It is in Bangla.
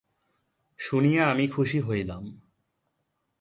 শুনিয়া খুশি হইলাম।